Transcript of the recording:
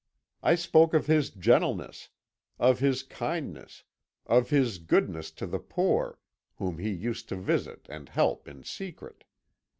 I spoke of his gentleness, of his kindness, of his goodness to the poor, whom he used to visit and help in secret.